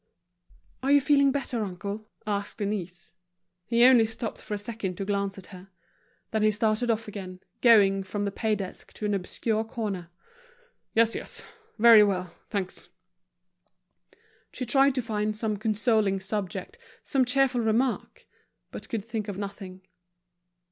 "Are you feeling better, uncle?" asked Denise. He only stopped for a second to glance at her. Then he started off again, going from the pay desk to an obscure corner. "Yes, yes. Very well, thanks." She tried to find some consoling subject, some cheerful remark, but could think of nothing.